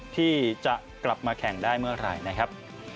ที่จะกลับมาแข่งได้เมื่อไหร่นะครับ